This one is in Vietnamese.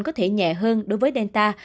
có thể nhẹ hơn đối với dịch covid một mươi chín